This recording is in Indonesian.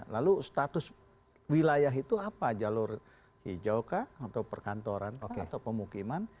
lalu status wilayah itu apa jalur hijau kah atau perkantoran atau pemukiman